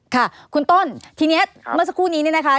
ค่ะคุณต้นทีนี้เมื่อสักครู่นี้เนี่ยนะคะ